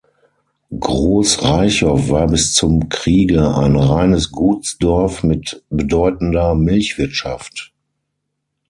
Groß Reichow war bis zum Kriege ein reines Gutsdorf mit bedeutender Milchwirtschaft.